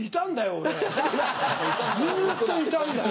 俺ずっといたんだよ